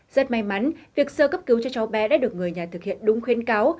rất may mắn việc sơ cấp cứu cho cháu bé đã được người nhà thực hiện đúng khuyên cáo